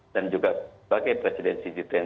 dan juga sebagai presiden cg dua puluh